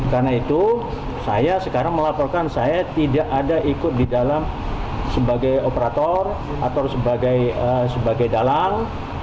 karena itu saya sekarang melaporkan saya tidak ada ikut di dalam sebagai operator atau sebagai dalang